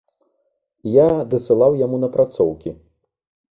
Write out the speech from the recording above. Я дасылаў яму напрацоўкі.